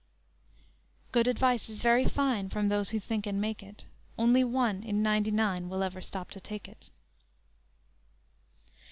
"_ _Good advice is very fine, From those who think and make it; Only one in ninety nine Will ever stop to take it!